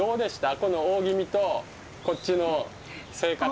この大宜味とこっちの生活。